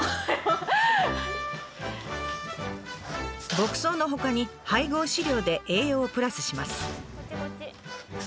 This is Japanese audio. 牧草のほかに配合飼料で栄養をプラスします。